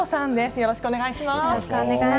よろしくお願いします。